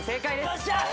よっしゃ！